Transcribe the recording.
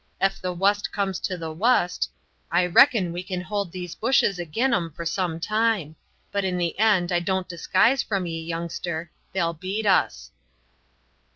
Ef the wust comes to the wust, I reckon we can hold these bushes agin 'em for some time; but in the end I don't disguise from ye, youngster, they'll beat us."